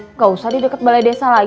nggak usah di deket balai